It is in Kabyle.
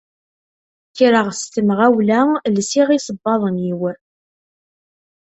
Kkreɣ s temɣawla, lsiɣ iṣebbaḍen-iw.